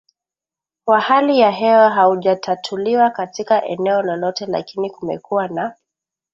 wa hali ya hewa haujatatuliwa katika eneo lolote lakini kumekuwa na